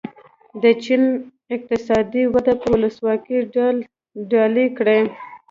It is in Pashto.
د چین اقتصادي وده به ولسواکي ډالۍ کړي.